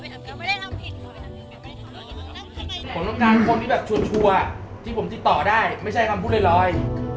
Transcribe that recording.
ผมต้องการคนที่แบบชัวร์ที่ผมติดต่อได้ไม่ใช่คำพูดลอย